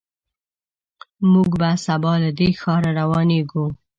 موږ به سبا له دې ښار روانېږو.